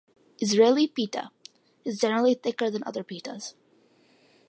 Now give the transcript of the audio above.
Israeli pita is generally thicker than other pitas.